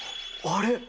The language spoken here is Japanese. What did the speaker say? あれ？